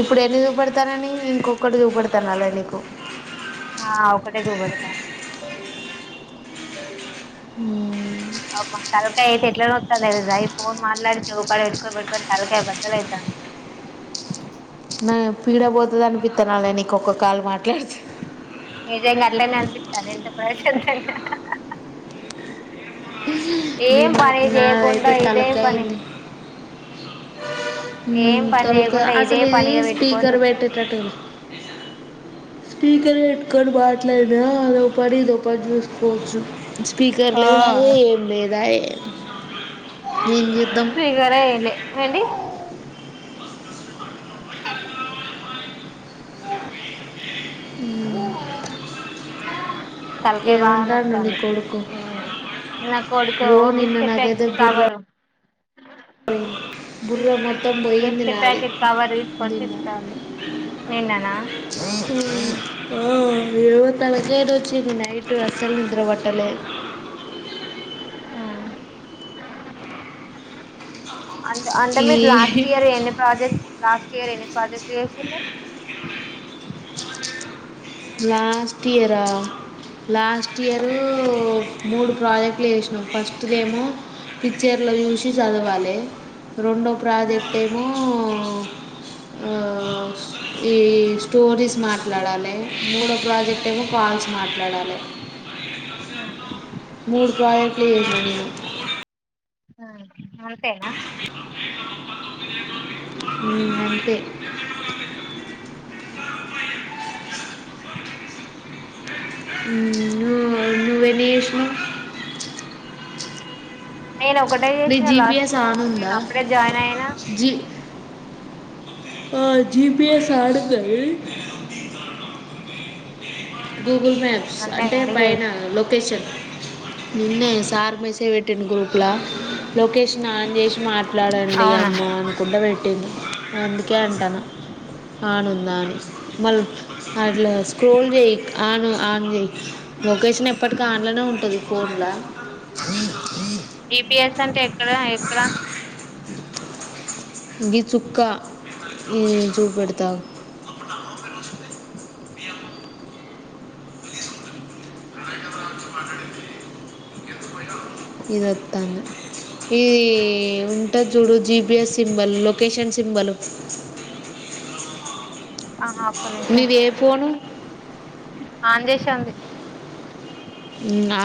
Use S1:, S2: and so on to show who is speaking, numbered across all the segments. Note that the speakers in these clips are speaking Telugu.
S1: ఇప్పుడు ఎన్ని చూపెడతానని ఇంకొకటి చూపెడతాను అలా నీకు
S2: ఆ ఒకటే చూపదతండి
S1: ఉ
S2: అ తలకయ యితే ఎట్ల నతుా అదా ఫోన్ మాట్లాడితేవ ప ఇట్కొ బ పెటుకొ తలకాయ బద్దలు అవుతుాంది
S1: నా పీడ పోతుంది అనిపిస్తాను నేను ఇకొక్క కాల మాట్లాడతే
S2: నిజంగా అట్లనే అనిపిస్తుంది ఎంత ప్రశాంతంగా
S1: నే
S2: ఏం
S1: నా
S2: పని
S1: నా
S2: చేయకుండా
S1: అయితే
S2: ఇదే
S1: తలక
S2: పని
S1: అయింది
S2: ఏం పని
S1: తలుక
S2: చేయకుండా ఇదే
S1: అసలు ఇది
S2: పనిగా పెట్టుకొని
S1: స్పీకర్
S2: చూత్తాంది
S1: బేట్టట టలు స్పీకరూ పెట్టుకొని మాట్లాడిన అదో పని ఇది చూసుకుంటా స్పీకర్ లేద ఏ ఏమి లేద ఏ
S2: స్పీకర్ ఎయిలే ఏంటి అ
S1: అ
S2: తలకాయ బాగా
S1: నీ
S2: నోతంది
S1: కొడుకు
S2: నా కొడుకు
S1: ఓ నిన్న
S2: బిస్కెట్
S1: నాకైతే
S2: ప్యాకెట్
S1: బుర్ర
S2: కవరు అ
S1: బుర్ర మొత్త
S2: బిస్కట్ ప్యాకెట్ కవర్ తీసుకొచి
S1: నిన్న
S2: నిండాన
S1: ఈ రోజు తలకాయ నోచింది నైట్ అసలు నిద్ర పట్టలే
S2: అంటే అంటే
S1: ఈ
S2: మీరు లాస్ట్ ఇయర్ ఎన్ని ప్రాజెక్ట్ లాస్ట్ ఇయర్ ఎన్ని ప్రాజెక్టులు చేసిరు
S1: లాస్ట్ ఇయరా లాస్ట్ ఇయర్ రూ మూడు ప్రాజెక్ట్లు చేసినాం ఫస్ట్ ఫస్ట్ ఏమో పిక్చర్లు చూసి చదవాలి రెండో ప్రాజెక్ట్ ఏమో ఆ ఈ స్టోరీస్ మాట్లాడాలి మూడో ప్రాజెక్ట్ ఏమో కాల్స్ మాట్లాడాలి మూడు ప్రాజెక్టులు చేసినం
S2: ఉ అంతేనా
S1: హ్మ్మ్ అంతే
S2: అ
S1: ఊ నేను కూడా
S2: నేను ఒకటే
S1: నీ
S2: చేసిన
S1: జి పి
S2: లాస్ట్
S1: ఎస్
S2: కు
S1: ఆన్
S2: నేను
S1: ఉందా
S2: అప్పుడే జాయిన్ అయినా
S1: జీ ఆ జిపిిఎస్ ఆన్ ఉన్నది గూగుల్ మ్యాప్స్
S2: నన్నే
S1: అంటే
S2: అడిగేది
S1: పైన లొకేషన్ నిన్న సార్ మెసేజ్ పెట్టిండు లా లొకేషన్ ఆన్ చేసి మాట్లాడండి
S2: అవునా
S1: అమ్మ అనుకుంటా పెట్టిండు అందుకే అంటాను ఆన్ ఉందా అని మళ్ళీ అట్లా స్క్రోల్ చేయ ఆను ఆన్ లొకేషన్ ఎప్పటికీ ఆన్లనే ఉంటుంది ఫోన్లో
S2: జిపిఎస్ అంటే ఎక్కడ ఎక్కడ
S1: ఈ చుక్కా చూపెడతా ఉండు ఇది వతల్న ఇది ఉంటుది చూడు జీబిఎస్ సింబల్ లొకేషన్ సింబల్
S2: ఆ హా ఒక్క నిమిషం
S1: నీది ఏ ఫోను
S2: ఆన్ చేసే ఉంది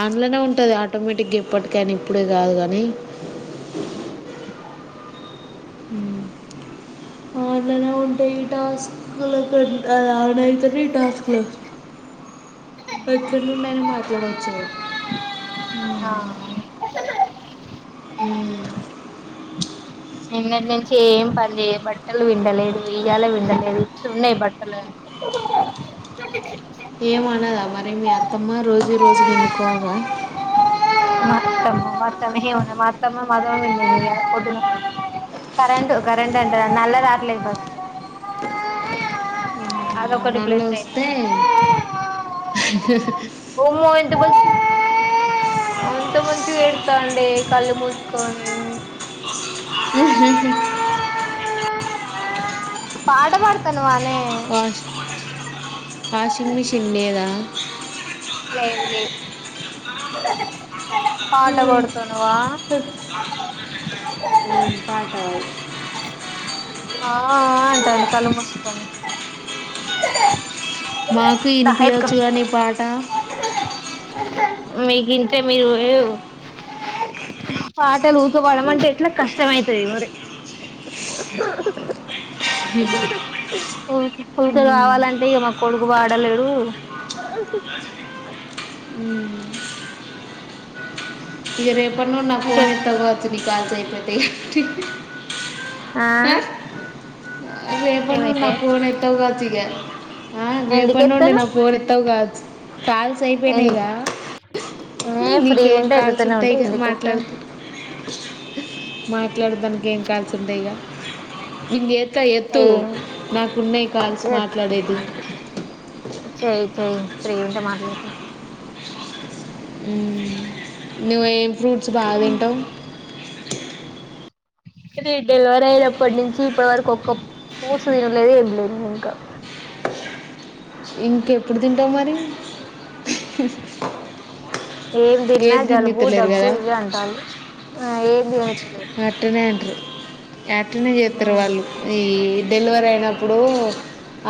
S1: ఆన్లనే ఉంటుది ఆటోమేటిక్గా ఇప్పటికనీ ఇప్పుడే కాదు కానీ
S2: ఆ
S1: ఆన్లైన్ లో ఎన్ని అవర్స్ ఆన్ అయితది ఆఫ్ కూడా అయితది ఎక్కడి నుండి అయినా మాట్లాడవచ్చా
S2: ఆ
S1: హ్మ్మ్
S2: నిన్నటి నుంచి ఏం పనియ బట్టలు విండలేదు ఇయ్యాల విండలేదు ఇ ఉన్నాయి బట్టలు
S1: ఏమనదా మరి మీ అత్తమ్మ రోజు రోజు విండుకోగా
S2: మాత్తమ్ మాతమ్ హవనా మాత్తమ్మ మాద ఇ [unintelligible] కరెంట్ కరెంట్ అంట నల్ దాట్ల బస్
S1: ఆహా,
S2: అది ఒకటి
S1: నల్ల
S2: ప్లస్
S1: వస్తే
S2: అయిందా ఓ మో ఇంతకముందు అంత మంచిగ్ ఏడుతండే కళ్ళు మూసుకొని పాట బడ్తున్నావా
S1: వా వాషింగ్ మిషిన్ లేదా
S2: లేదు లే పాట బడ్తున్నావా
S1: ఉహ్ పాటయ్
S2: ఆ ఆ అంటాది కళ్ళు మూసుకొని
S1: మాకు
S2: దా ఎత్తుకో
S1: ఇన్పియోచ్చుగా నీ పాట
S2: మీకు ఇంటే మీరో ఓయో పాటలు ఊకే బాడమంటే ఎట్లా కష్టం అయితది వరి పూత్ పూత
S1: ఉమ్,
S2: గావాలంటే ఇగా మా కొడుకు వాడలేడు.
S1: ఉమ్. ఇగా రేపనుడ్
S2: మనకే
S1: నాఫోన్ ఎత్తగ్ బోవచ్చు నీ కాల్ చేయపోతే
S2: ఆ
S1: రేపను నా
S2: ఏమైతే
S1: పోన్ ఎత్తగావ్చ్ ఇగా ఆ
S2: ఎందుకు
S1: రేపటి నుండి నా
S2: ఎత్తానవ్
S1: పోన్ ఎత్తవ్ గావ్చ్ కాల్స్ అయిపోయినాయిగా
S2: ఏ
S1: నీ
S2: ఫ్రీగా ఉంటే
S1: నీకేకాల్స్
S2: ఎత్తుతూనే ఉంటా
S1: ఉంటాయ్ గా
S2: ఎందుకు ఎత్తావ్
S1: మాట్లాడుతుట్ మాట్లాడదానికి ఏం కాల్స్ ఉండాయ్ గా ఇంగేతా ఎత్తు
S2: ఏం
S1: నాకూనై కాల్స్ మాట్లాడేది.
S2: చేయ్ చేయి ఫ్రీ ఉంటే మాట్లాడ్తా
S1: హుహ్ నువ్వేం ఫ్రూట్స్ బా దీంటావ్.
S2: ఇది డిలీవర్ అయినప్పడ్ నుంచి ఇప్పటి వరకు ఒక్కప్ సోడ్స్ తిన్లేదు ఎమ్ లేద్ ఇంకా
S1: ఇంకెప్పుడ్ దింటావ్ మరి
S2: ఏం దిన్నా
S1: ఏది తిండి
S2: జలుబు
S1: తినలేరు
S2: దగ్గు
S1: కదా
S2: ఇవే అంటాలు ఆఏది అని
S1: అటనే అంట్రు యాటనే ఏతారు
S2: ఉమ్
S1: వాళ్ళు ఈ డెలివరీ అయినప్పుడు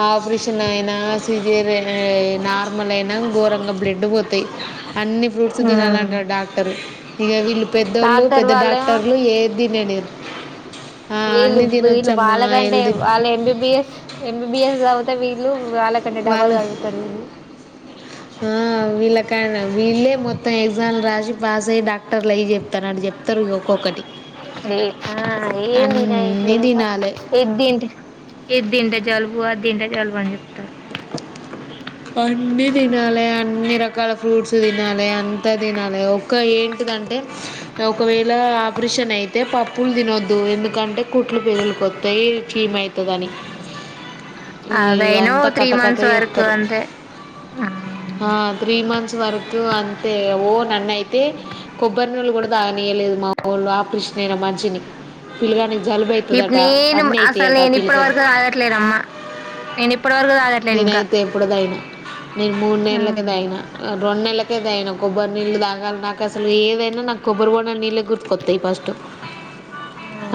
S1: ఆ ఆప్రిష్ నైనా సిజేరి ఏయ్ నార్మల్ అయినా ఘోరంగా బ్లడ్ పోతాయ్. అన్ని ఫ్రూట్స్ దినాలంటాడ్ డాక్టర్ ఇగా వీళ్ళు పెద్దోళ్ళు
S2: డాక్టర్
S1: పెద్ద
S2: వాళ్ళేమో
S1: డాక్టర్ ఏద్ దినేనార్
S2: వీళ్ళ వీళ్ళు వాళ్ళకంటే
S1: హెల్దీ
S2: వాళ్ళ ఎంబీబిఎస్ ఎంబీబిఎస్ జాద్వితే వీళ్ళు వాళ్ళకంటే డబ్బల్
S1: వాళ్ళు
S2: జాదుర్తర్ ఇళ్ళు
S1: కానా వీళ్ళే మొత్తం ఎగ్జామ్లు రాజి పాస్ అయ్ డాక్టర్లు అయ్ జెప్తానాట్ జెప్తారు ఇగా ఒక్కొక్కటి
S2: ఆ ఏం దినయిట్లే
S1: అన్నీ
S2: ఇంకా
S1: తినాలి
S2: ఏదింటే ఏదింటే జలబు అద్ దింటే జల్బ్ ఆన్ జెప్తార్
S1: అన్ని దినాలే అన్ని రకాల ఫ్రూట్స్ దినాలే అంతా దినాలే ఒక యెన్ గంటే ఒకవేళ ఆపరేషన్ అయితే పప్ పుల్ తినొద్దు. ఎందుకంటే కుట్లు పేగుల్క్ ఓతాయి చీమ్ అయితదని ఈ
S2: అదైనా ఓ
S1: యంతా
S2: త్రీ
S1: కథ
S2: మంత్స్
S1: ఏ
S2: వరకు
S1: యేప్తారు.
S2: అంతే ఆ
S1: ఆ త్రీ మన్స్ వర్తు అంతే ఓ ననైతే కొబ్బరి నూళ్ళు కూడా తాగనీయలేదు మావోళ్ళు ఆ ప్రిష్ నేనో మంచిన్ని
S2: ఇప్పు నేను అసలు
S1: అవుతాయట ఆ
S2: నేను ఇప్పటి
S1: పిల్లగానికి
S2: వరకు దాగట్లేదమ్మా. నీన్ ఇప్పుడ్ వరకు దాగత్
S1: నేనైతే ఎపుడో దైనా నేను మూడు నెలకే
S2: ఉమ్
S1: దాగిన రెండు నెలకే దాగిన కొబ్బరి నీళ్లు దాగల్ నాక్ గసాలు ఏవైనా నాకు కొబ్బరి వోడా నీళ్ళే గుర్తుకొతాయి పస్టు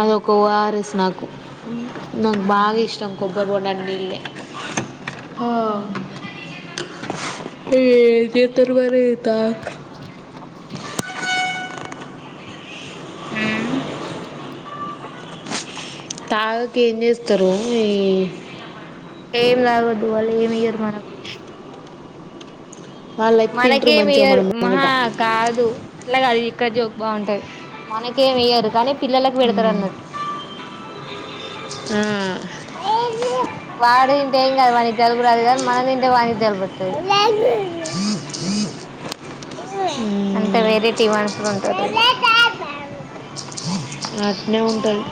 S1: అదొక ఓఆర్ఎస్ నాకు. నాకు బాగ్ ఇష్టం కొబ్ బోబోడన్ నీళ్ళే ఏం చేస్తారు మరి త
S2: ఉ
S1: తాగక ఏం చేస్తారు ఈ
S2: ఏం తాగొద్దు వాళ్ళ ఏమి ఇయరు మనకు
S1: వాళ్ళైతే తింటారు
S2: మనకేమీ
S1: మంచిగా మన
S2: ఈయరు మహా
S1: ముంగట
S2: కాదు అట్లాగాదు ఇక్క జోక్ బాగుంటాయి మనకేం వెయ్యారు కానీ పిల్లలకు పెడతారు
S1: మ్మ్.
S2: అన్నట్టు
S1: ఆ.
S2: వాడు తేంగాదు వానికి జలుబు రాదు గాని మనం తింటే వానికి జలుబు వొత్తది
S1: అ
S2: అంత వెరైటీ మన్సులు ఉంటారు
S1: ఉ అట్నే ఉంటది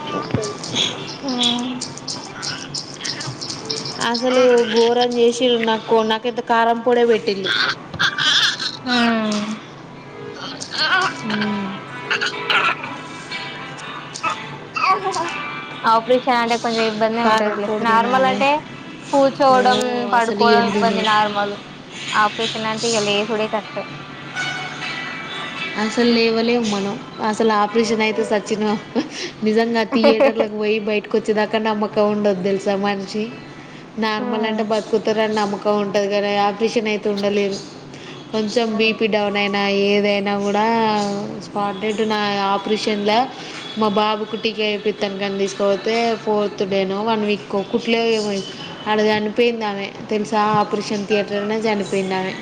S1: అసలు బోరాం చేసిురూ నాకు నాకైతే కారంపొడే పెట్టిల్లు
S2: ఉ
S1: ఉ
S2: ఆపరేషన్ అంటే కొంచెం ఇబ్బందే
S1: కారం
S2: ఉంటంది లే
S1: పొడి
S2: నార్మల్
S1: తినాలి
S2: అంటే
S1: ఓ
S2: కూర్చోవడం
S1: అసలు
S2: పడుకోవడం
S1: ఏం
S2: ఇబ్బంది
S1: తినేది
S2: నార్మల్ ఆపరేషన్ అంటే ఇగ లే చూడే కష్టం
S1: అసలు లేవలేము మనం అసలు ఆప్ పిషన్ అయితే సచిన నిజంగా థియేటర్ పోయి బయట కో వర్చ్చుదాకా నమ్మకం ఉండదు తెలుసా మనిషి నార్మల్ అంటే బతుకుతారుని నమ్మకం ఉంటుంది కానీ ఆ ఆపరేషన్ అయితే ఉండలేరు కొంచెం బీపీ డౌన్ అయినా ఏ నా కూడా స్పాట్ట్ నా ఆపరేషన్ లో మా బాబుకు టీకా ఏపిస్తానుగా వాన్ని తీసుకపోతే ఫోర్త్ డేనుో వన్ వీక్ కో కుట్ లో ఏమై ఆడ చనిపోయింది ఆమె తెలుసా ఆపరేషన్ థియేటర్ లోనే చనిపోయిది ఆమె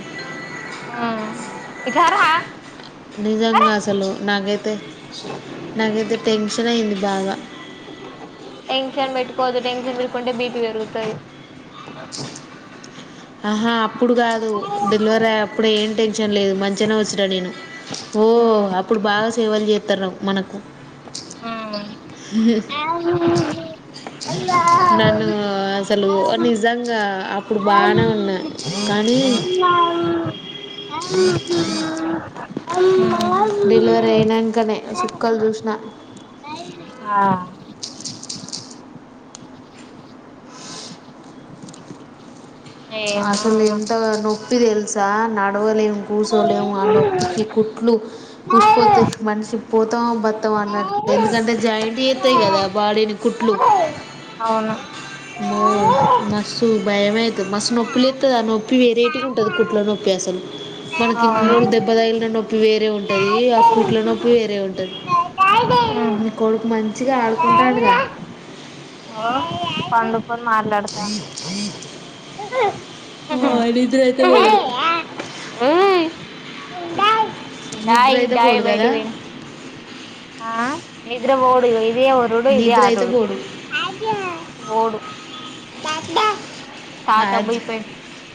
S2: ఆ ఇటు రారా
S1: నిజంగా అసలు నాకైతే నాకైతే టెన్షన్ అయింది బాగా
S2: టెన్షన్ పెట్టుకోదు టెన్షన్ పెట్కుంటే బీపీ పెరుగుతది
S1: ఆహా అప్పుడు కాదు డెలివరీ అయ్యేప్పుడే ఏం టెన్షన్ లేదు మంచిగానే వచ్చానా నేను ఓ
S2: హ్మ్
S1: అప్పుడు బాగా సేవలు చేస్తారు మనకు
S2: ఆ ఆ వు ఆ
S1: నన్ను అసలు
S2: ఆ వు
S1: నిజంగా అప్పుడు
S2: అ
S1: బాగానే ఉన్నా
S2: వు వు ఆ
S1: జ్ర జీ
S2: అమ్మ ఉ
S1: డెలివరీ అయినాకనే సుక్కలు చూసినా
S2: ఆా ఏమో
S1: అసలు ఎంత నొప్పి తె తెలుసా నా నడవలేం కూర్చోలేము ఆ నొప్పికి కుట్లు ఉసిపోతే మనిషి మొత్తం బత్తం అన్నట్ ఎందుకంటే జాయింట్ చేతాయి కదా బాడీని కుట్లు
S2: అవును అవును
S1: మో మస్తు భయమైతుంది మస్తు నొప్పి లేతది నొప్పి వేరేటిగా ఉంటాది కుట్లో నొప్పి అసలు మనకి ఇన్ని రోజులు దెబ్బ తగిలిన నొప్పి వేరే ఉంటుది ఆ కూట్ల నొప్పి వేరే ఉంటంది నీ కొడుకు మంచిగా ఆడుకుంటాండగా
S2: పండుకొని మాట్లాడతాం
S1: ఆ నిద్రయితే వోడు
S2: డాయి
S1: నిద్రయితే
S2: డాయి
S1: పోడు కదా
S2: బయటికి పోయిన ఆ నిద్ర ఓడు ఇగో ఇదే ఒరుడు ఇదే
S1: నిద్ర అయితే
S2: ఆటోడు
S1: పోడు
S2: ఓడు
S1: అజ్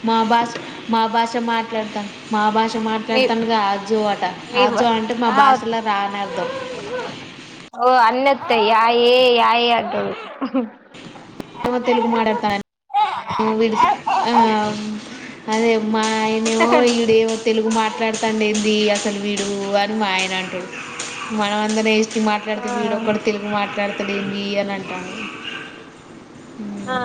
S1: మా భాష మా భాష మాట్లాడతా మా భాష
S2: మీ
S1: మాట్లాడతండుగా ఆజో అట
S2: మీ
S1: ఆజు అంటే మా
S2: ఆ
S1: భాషలో రానర్థం
S2: ఓ అన్నతయ్ యయే యయే అంటడు
S1: ఏమో తెలుగు మాటాడత నువిడ్ ఆ అదేమాయనేమో వీడేమో తెలుగు మాట్లాడతాండ ఏంది అసలు వీడు అ మాయనంటడు మనం అందర మెస్టీ
S2: ఆ
S1: మాట్లాడితే వీడొక్కడ తెలుగు మాట్లాడతాడు ఏంది అని అంటండు
S2: ఆ